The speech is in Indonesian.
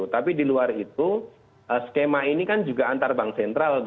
tapi di luar itu skema ini kan juga antar bank sentral